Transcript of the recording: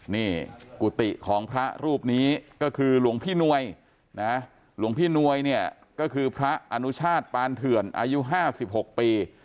นี่กุฏิของพระรูปนี้ก็คือหลวงพี่นวยนะหลวงพี่นวยเนี่ยก็คือพระอนุชาติปานเถื่อนอายุ๕๖ปี